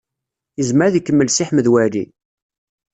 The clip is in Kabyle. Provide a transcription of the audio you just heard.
Yezmer ad ikemmel Si Ḥmed Waɛli?